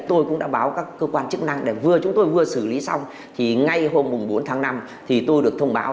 thông báo các cơ quan chức năng để vừa chúng tôi vừa xử lý xong thì ngay hôm bốn tháng năm thì tôi được thông báo